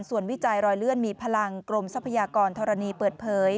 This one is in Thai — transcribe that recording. ส่วนวิจัยรอยเลื่อนมีพลังกรมทรัพยากรธรณีเปิดเผย